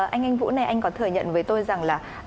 anh anh vũ này anh có thừa nhận với tôi rằng là